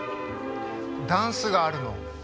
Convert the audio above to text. ダンスがあるの。